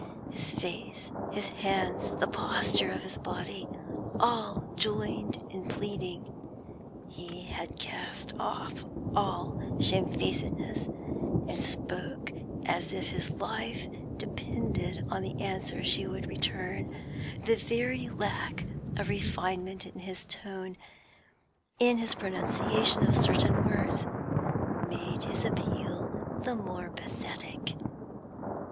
His face, his hands, the posture of his body, all joined in pleading. He had cast off all shamefacedness, and spoke as if his life depended on the answer she would return; the very lack of refinement in his tone, in his pronunciation of certain words, made his appeal the more pathetic.